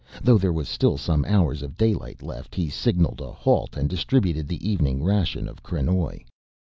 Though there was still some hours of daylight left he signaled a halt and distributed the evening ration of krenoj.